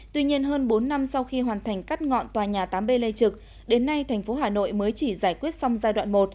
tuy nhiên hơn bốn năm sau khi hoàn thành cắt ngọn tòa nhà tám b lê trực đến nay thành phố hà nội mới chỉ giải quyết xong giai đoạn một